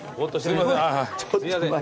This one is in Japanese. すいません。